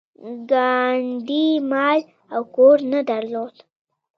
ګاندي مال او کور نه درلود.